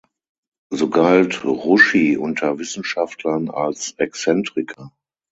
So galt Ruschi unter Wissenschaftlern als Exzentriker.